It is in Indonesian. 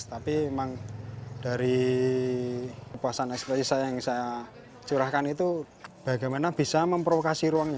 tapi memang dari kepuasan ekspresi saya yang saya curahkan itu bagaimana bisa memprovokasi ruangnya